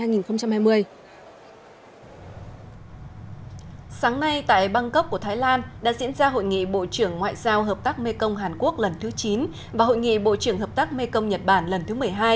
sáng nay tại bangkok của thái lan đã diễn ra hội nghị bộ trưởng ngoại giao hợp tác mê công hàn quốc lần thứ chín và hội nghị bộ trưởng hợp tác mê công nhật bản lần thứ một mươi hai